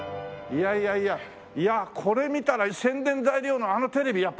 いやいやいやいやこれ見たら宣伝材料のあのテレビやっぱ使えるな。